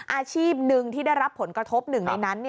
อาชีพหนึ่งที่ได้รับผลกระทบหนึ่งในนั้น